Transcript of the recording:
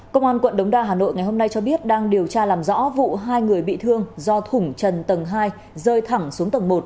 công an quận đống đa hà nội ngày hôm nay cho biết đang điều tra làm rõ vụ hai người bị thương do thủng trần tầng hai rơi thẳng xuống tầng một